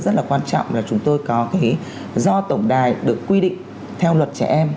rất là quan trọng là chúng tôi có cái do tổng đài được quy định theo luật trẻ em